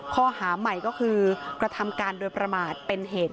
ข้อหาใหม่ก็คือกระทำการโดยประมาทเป็นเหตุ